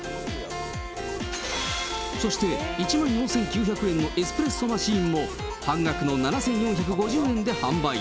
そして１万４９００円のエスプレッソマシーンも半額の７４５０円で販売。